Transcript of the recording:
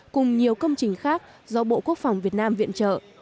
cùng nhiều công trình khác do bộ quốc phòng việt nam viện trợ